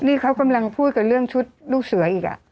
นี่เขากำลังพูดกับเรื่องชุดลูกเสืออีก